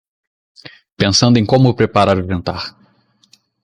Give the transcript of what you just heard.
Pensando em como preparar o jantar